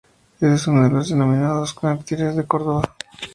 Es uno de los denominados Mártires de Córdoba.